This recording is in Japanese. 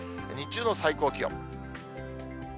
日中の最高気温。